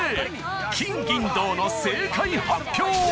金銀銅の正解発表